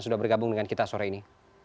sudah bergabung dengan kita sore ini